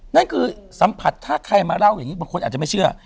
นั่นคือสัมผัสถ้าใครมาเล่าอย่างนี้บางคนอาจจะไม่เชื่อ